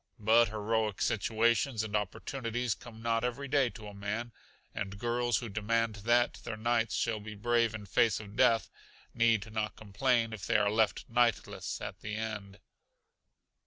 But heroic situations and opportunities come not every day to a man, and girls who demand that their knights shall be brave in face of death need not complain if they are left knightless at the last.